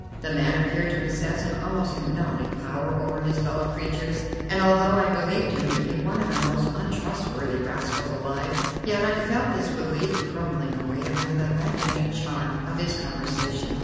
The man appeared to possess an almost hypnotic power over his fellow creatures, and although I believed him to be one of the most untrustworthy rascals alive, yet I felt this belief crumbling away under the magnetic charm of his conversation.